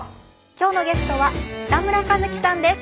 今日のゲストは北村一輝さんです。